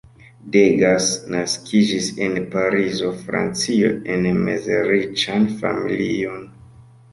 Degas naskiĝis en Parizo, Francio, en meze riĉan familion.